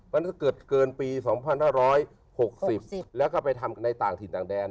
มันก็เกิดเกินปี๒๕๖๐แล้วก็ไปทำกันในต่างถิ่นต่างแดน